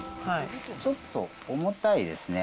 ちょっと重たいですね。